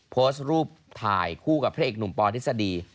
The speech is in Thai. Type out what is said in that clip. โพสต์รูปถ่ายคู่กับพระเอกหนุ่มปอทฤษฎี